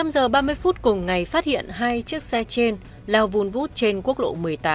một mươi năm giờ ba mươi phút cùng ngày phát hiện hai chiếc xe trên lào vùn vút trên quốc lộ một mươi tám